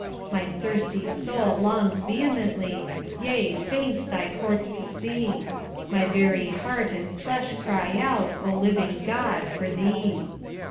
"My thirsty soul longs vehemently, Yea, faints thy courts to see; My very heart and flesh cry out, O living God for thee."